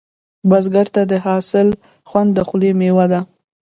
بزګر ته د حاصل خوند د خولې میوه ده